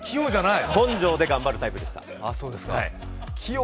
根性で頑張るタイプでした。